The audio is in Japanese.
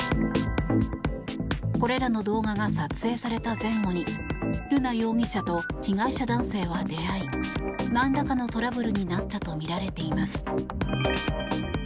これらの動画が撮影された前後に瑠奈容疑者と被害者男性は出会いなんらかのトラブルになったとみられています。